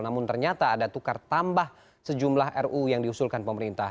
namun ternyata ada tukar tambah sejumlah ruu yang diusulkan pemerintah